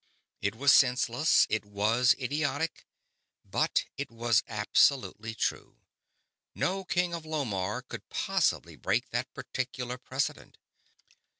It was senseless, it was idiotic, but it was absolutely true. No king of Lomarr could possibly break that particular precedent.